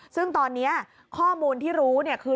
ซึ่งตอนนี้ข้อมูลที่รู้คือ